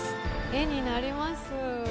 絵になります。